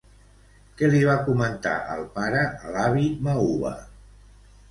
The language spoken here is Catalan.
Què li va comentar el pare a l'avi Mauva?